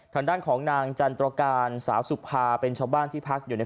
ทางด้านของนางจันตรการสาวสุภาเป็นชาวบ้านที่พักอยู่ใน